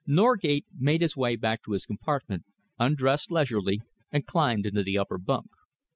Norgate made his way back to his compartment, undressed leisurely and climbed into the upper bunk.